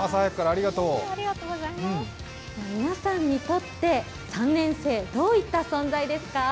皆さんにとって３年生、どういった存在ですか？